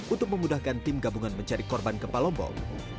untuk memudahkan tim gabungan mencari korban gempa lombok